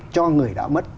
cho người đã mất